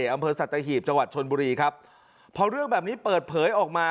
อำเภอสัตหีบจังหวัดชนบุรีครับพอเรื่องแบบนี้เปิดเผยออกมา